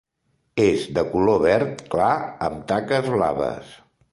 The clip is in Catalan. És de color verd clar amb taques blaves.